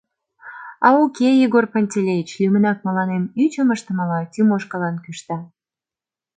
А уке, Егор Пантелеич, лӱмынак мыланем ӱчым ыштымыла, Тимошкалан кӱшта.